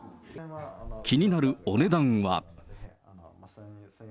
気になるお値段は。